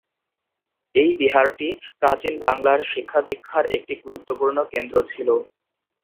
এই বিহারটি প্রাচীন বাংলার শিক্ষা-দীক্ষার একটি গুরুত্বপূর্ণ কেন্দ্র ছিল।